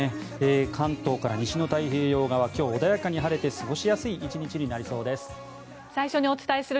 関東から西の太平洋側今日、穏やかに晴れて過ごしやすい１日になりそうです。